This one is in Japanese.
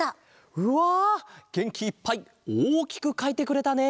うわげんきいっぱいおおきくかいてくれたね。